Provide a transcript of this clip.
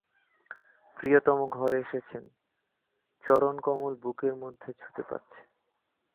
প্রিয়তম ঘরে এসেছেন, চরণকমল বুকের মধ্যে ছুঁতে পাচ্ছে।